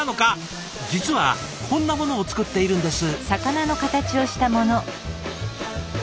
実はこんなものを作っているんです。